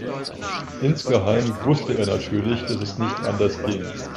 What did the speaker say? Insgeheim wusste er natürlich, dass es nicht anders ging.